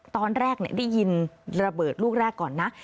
ตอนแรกได้ยินระเบิดลูกแรกก่อนนะ